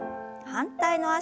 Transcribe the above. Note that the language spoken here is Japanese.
反対の脚。